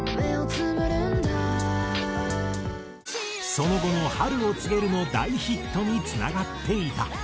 その後の『春を告げる』の大ヒットにつながっていた。